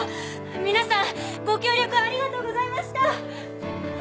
皆さんご協力ありがとうございました！